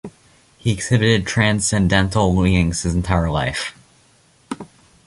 He exhibited transcendental leanings his entire life.